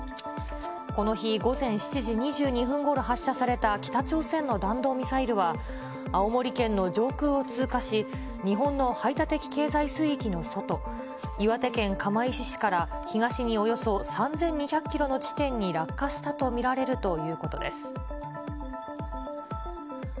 この日、午前７時２２分ごろ発射された北朝鮮の弾道ミサイルは、青森県の上空を通過し、日本の排他的経済水域の外、岩手県釜石市から東におよそ３２００キロの地点に落下したと見られるということです。